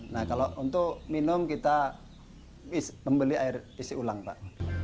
nah kalau untuk minum kita membeli air isi ulang pak